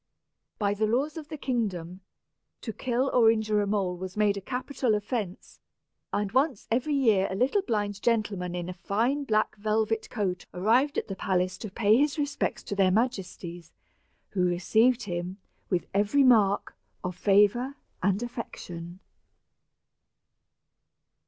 By the laws of the kingdom, to kill or injure a mole was made a capital offence; and once every year a little blind gentleman in a fine black velvet coat arrived at the palace to pay his respects to their majesties, who received him with every mark of favor and affection.